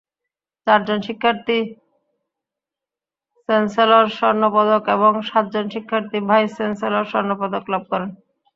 চারজন শিক্ষার্থী চ্যান্সেলর স্বর্ণপদক এবং সাতজন শিক্ষার্থী ভাইস চ্যান্সেলর স্বর্ণপদক লাভ করেন।